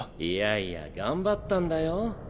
いやいや頑張ったんだよ。